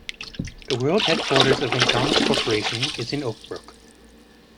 The world headquarters of McDonald's Corporation is in Oak Brook.